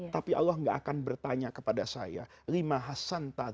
tapi allah gak akan bertanya kepada saya